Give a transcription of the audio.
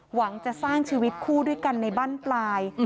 หวังจะสร้างชีวิตคู่ด้วยกันในบ้านปลาย